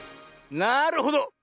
なるほど。